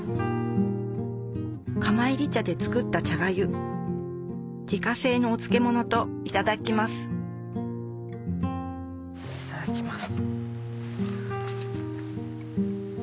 釜炒り茶で作った茶粥自家製のお漬物といただきますいただきます。